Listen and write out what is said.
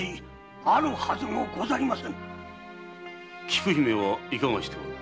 菊姫はいかがしておる？